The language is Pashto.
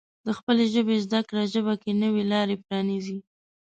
د خپلې ژبې زده کړه ژوند کې نوې لارې پرانیزي.